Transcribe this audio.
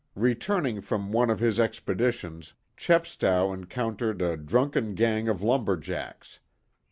Returning from one of his expeditions Chepstow encountered a drunken gang of lumber jacks.